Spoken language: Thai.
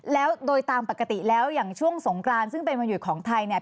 แล้วโดยตามปกติแล้วอย่างช่วงสงกรานซึ่งเป็นวันหยุดของไทยเนี่ย